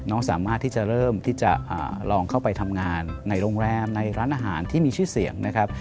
สามารถที่จะเริ่มที่จะลองเข้าไปทำงานในโรงแรมในร้านอาหารที่มีชื่อเสียงนะครับ